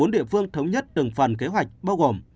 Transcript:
bốn địa phương thống nhất từng phần kế hoạch bao gồm